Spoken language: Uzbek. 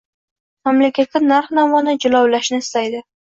Mamlakatda narx-navoni jilovlashni istaydi.